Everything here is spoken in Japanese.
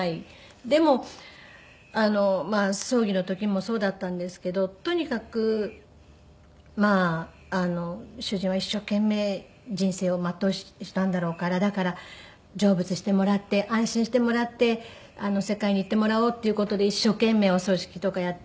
でも葬儀の時もそうだったんですけどとにかく主人は一生懸命人生を全うしたんだろうからだから成仏してもらって安心してもらってあの世界に行ってもらおうっていう事で一生懸命お葬式とかやって。